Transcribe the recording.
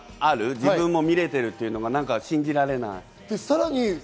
自分も見れてるというのが、なんか信じられない。